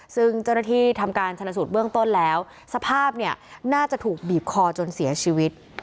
ซึ่งเจ้าหน้าที่ทำการชนสูตรเบื้องต้นแล้วสภาพเนี่ยน่าจะถูกบีบคอจนเสียชีวิต